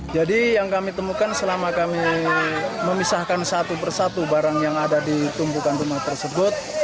jadi yang kami temukan selama kami memisahkan satu persatu barang yang ada di tumpukan rumah tersebut